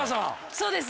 そうです